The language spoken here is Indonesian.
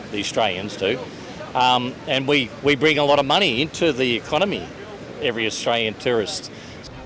dan kami membawa banyak uang ke ekonomi para turis australia